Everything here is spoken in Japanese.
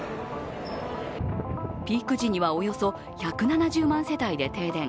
ピーク時にはおよそ１７０万世帯で停電。